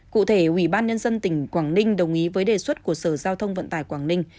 cụ thể ubnd tỉnh quảng ninh đồng ý với đề xuất của sở giao thông vận tải quảng ninh